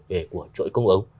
về của chuỗi cung ứng